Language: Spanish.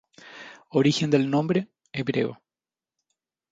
Origen del nombre: Hebreo.